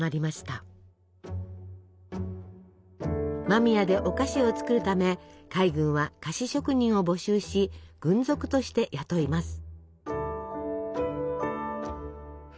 間宮でお菓子を作るため海軍は菓子職人を募集し軍属として雇います。